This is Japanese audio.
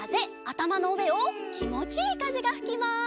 あたまのうえをきもちいいかぜがふきます。